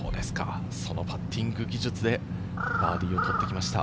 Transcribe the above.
そのパッティング技術でバーディーを取ってきました。